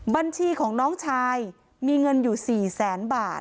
บัญชีของน้องชายมีเงินอยู่๔แสนบาท